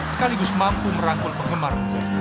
sekaligus mampu merangkul penggemar